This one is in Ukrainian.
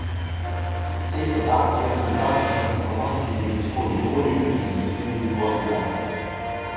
Цей етап є результатом трансформації людської долі в бік її індивідуалізації.